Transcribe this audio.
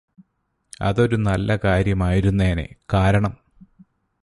അതൊരു നല്ല കാര്യമായിരുന്നേനെ കാരണം